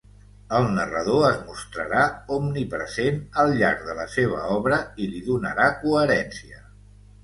El narrador es mostrarà omnipresent al llarg de la seva obra i li donarà coherència.